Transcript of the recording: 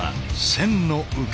線の受け？